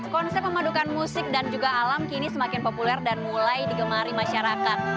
konsep memadukan musik dan juga alam kini semakin populer dan mulai digemari masyarakat